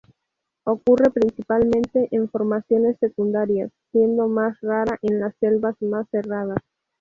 Ocurre principalmente en formaciones secundarias, siendo más rara en las selvas más cerradas.